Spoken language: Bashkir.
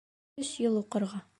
Өс йыл уҡырға